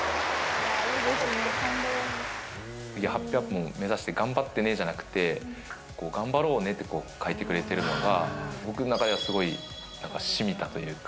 次、８００本目指して頑張ってねじゃなくって、頑張ろうねって書いてくれてるのが、僕の中ではすごいしみたというか。